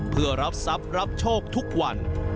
เพื่อรับทรัพย์รับโชคทุกวัน